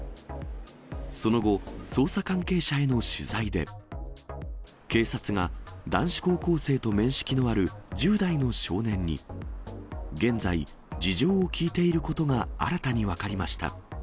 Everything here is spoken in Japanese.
その後、捜査関係者への取材で、警察が、男子高校生と面識のある１０代の少年に、現在、事情を聴いていることが新たに分かりました。